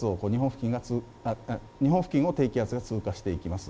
日本付近を低気圧が通過していきます。